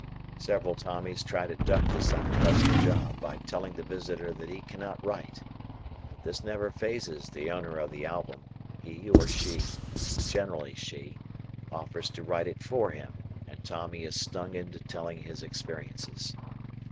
Several Tommies try to duck this unpleasant job by telling the visitor that he cannot write, but this never phases the owner of the album; he or she, generally she, offers to write it for him and Tommy is stung into telling his experiences.